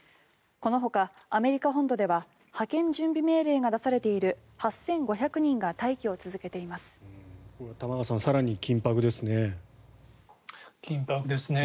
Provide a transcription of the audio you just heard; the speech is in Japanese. このほかアメリカ本土では派遣準備命令が出されている８５００人が待機を続けています。